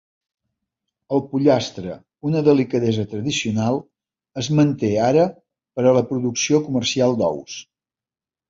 El pollastre, una delicadesa tradicional, es manté ara per a la producció comercial d'ous.